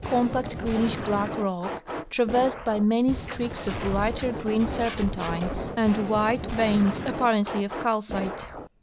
pact greenish black rock, traversed by many streaks of lighter green serjjentine and white veins apparently of calcite.